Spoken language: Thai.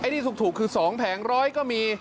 ที่ถูกคือ๒แผง๑๐๐ก็มี